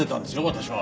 私は。